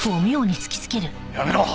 やめろ！